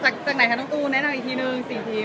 จากไหนค่ะจากตูนแนะนำอีกทีหนึ่งสี่ทีม